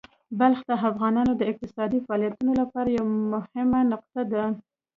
بلخ د افغانانو د اقتصادي فعالیتونو لپاره یوه مهمه نقطه ده.